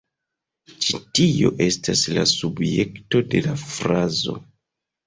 Ĉi tio estas la subjekto de la frazo.